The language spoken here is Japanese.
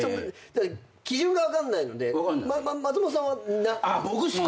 基準が分かんないので松本さんは？